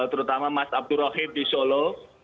terutama mas abdurrahim di solo